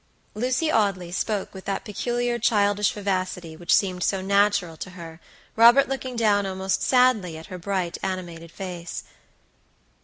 Lucy Audley spoke with that peculiar childish vivacity which seemed so natural to her, Robert looking down almost sadly at her bright, animated face.